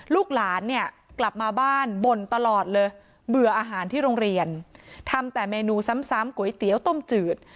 ลูกหลานเนี่ยกลับมาบ้านบ่นตลอดเลยเบื่ออาหารที่โรงเรียนทำแต่เมนูซ้ำก๋วยเตี๋ยวต้มจืด